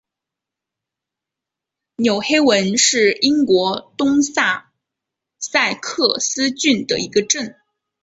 纽黑文是英国东萨塞克斯郡的一个镇。